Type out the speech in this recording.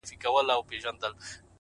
د زړې څوکۍ نرمښت د اوږدې ناستې کیسه لري’